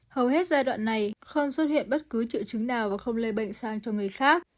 hầu hết giai đoạn này không xuất hiện bất cứ triệu chứng nào và không lây bệnh sang cho người khác